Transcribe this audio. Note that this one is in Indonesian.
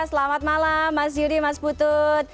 selamat malam mas yudi mas putut